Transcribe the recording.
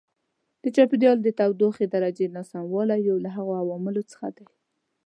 د چاپېریال د تودوخې درجې ناسموالی یو له هغو عواملو څخه دی.